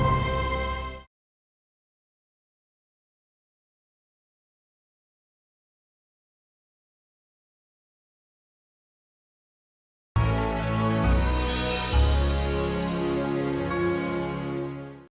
kamu harus berhati hati